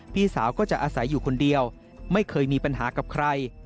พี่สาวก็จะอาศัยอยู่คนเดียวไม่เคยมีปัญหากับใคร